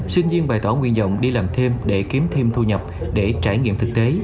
sinh viên bài tỏ nguyện dọng đi làm thêm để kiếm thêm thu nhập để trải nghiệm thực tế